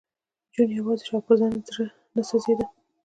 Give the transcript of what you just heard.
جون یوازې شو او په ځان یې زړه نه سېزېده